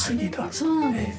そうなんです。